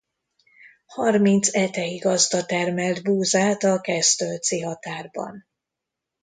Harminc etei gazda termelt búzát a kesztölci határban.